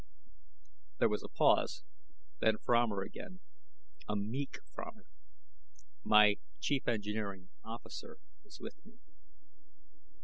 There was a pause, then Fromer again, a meek Fromer. "My chief engineering officer is with me."